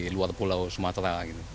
di luar pulau sumatera